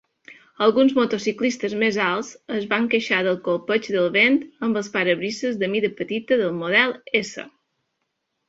Alguns motociclistes més alts es van queixar del colpeig del vent amb els parabrises de mida petita del model S.